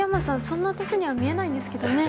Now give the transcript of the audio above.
そんな年には見えないんですけどね。